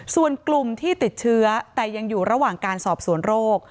ส่วนกลุ่มที่ติดเชื้อแต่ยังอยู่ระหว่างการสอบสวนโรค